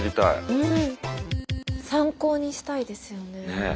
うん参考にしたいですよね。